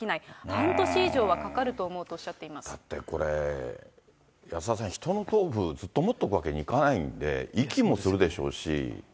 半年以上はかかると思うとおっしだって、これ、安田さん、人の頭部、ずっと持っとくわけにいかないので、遺棄もするでしょうし。